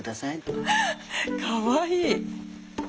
かわいい！